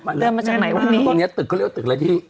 มันเดินมาจากไหนวันนี้ตรงเนี้ยตึกเขาเรียกว่าตึกอะไรที่